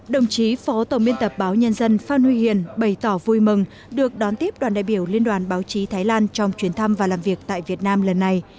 đồng chí phó tổng biên tập báo nhân dân phan huy hiền bày tỏ vui mừng được đón tiếp đoàn đại biểu liên đoàn báo chí thái lan trong chuyến thăm và làm việc tại việt nam lần này